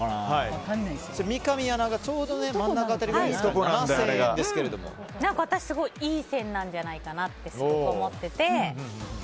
三上アナがちょうど真ん中辺りの私すごいいい線なんじゃないかなってすごく思ってて。